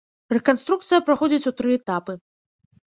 Рэканструкцыя праходзіць у тры этапы.